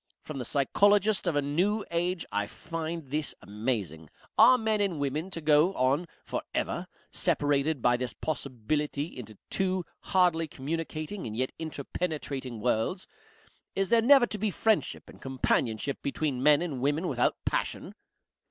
From the Psychologist of a New Age I find this amazing. Are men and women to go on for ever separated by this possibility into two hardly communicating and yet interpenetrating worlds? Is there never to be friendship and companionship between men and women without passion?"